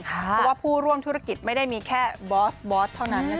เพราะว่าผู้ร่วมธุรกิจไม่ได้มีแค่บอสบอสเท่านั้น